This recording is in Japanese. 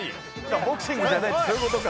ボクシングじゃないってそういう事か。